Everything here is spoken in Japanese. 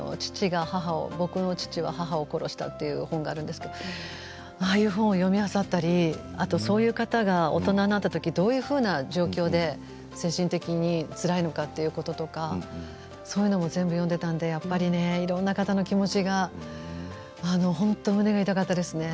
「僕の父が母を殺した」という本が、あるんですけれどもああいう本も読みやすかったりそういう方が大人になったときにどういう状況で精神的につらいのか、ということとかそういうのも全部読んでいたのでやっぱりいろいろな方の気持ちが本当に胸が痛かったですね。